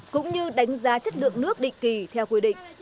cũng như đánh giá chất lượng nước định kỳ theo quy định